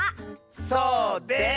そうです！